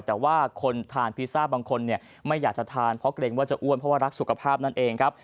แต่ว่าคนทานพิซซ่าบางคนไม่อยากจะทานเพราะเกรงว่าจะอ้วนเพราะว่ารักสุขภาพนั่นเองครับ